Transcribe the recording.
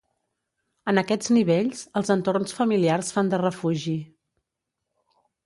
En aquests nivells, els entorns familiars fan de refugi.